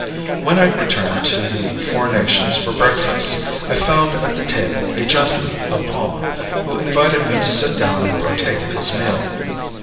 When I returned to the Four Nations for breakfast, I found at the table a gentleman of Palma, who invited me to sit down and partake of his meal.